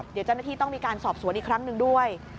เดี๋ยวเจ้าหน้าที่ต้องมีการสอบสวนอีกครั้งหนึ่งด้วย